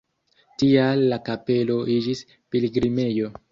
Tial la kapelo iĝis pilgrimejo.